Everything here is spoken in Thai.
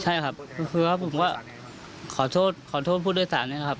ใช่ครับคือว่าผมก็ขอโทษขอโทษผู้โดยสารนะครับ